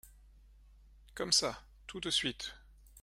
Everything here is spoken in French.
Comme Ca !… tout de suite !